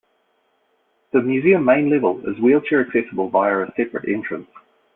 The museum main level is wheelchair accessible via a separate entrance.